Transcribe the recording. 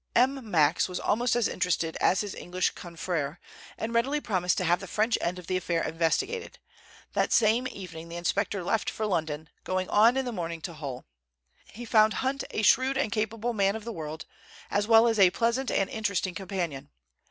M. Max was almost as interested as his English confrère, and readily promised to have the French end of the affair investigated. That same evening the inspector left for London, going on in the morning to Hull. He found Hunt a shrewd and capable man of the world, as well as a pleasant and interesting companion.